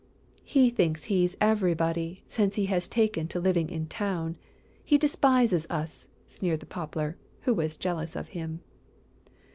"He thinks he's everybody, since he has taken to living in town! He despises us!" sneered the Poplar, who was jealous of him.